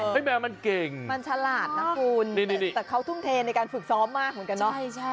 แมวมันเก่งมันฉลาดนะคุณแต่เขาทุ่มเทในการฝึกซ้อมมากเหมือนกันเนอะ